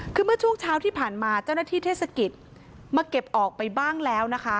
คือเมื่อช่วงเช้าที่ผ่านมาเจ้าหน้าที่เทศกิจมาเก็บออกไปบ้างแล้วนะคะ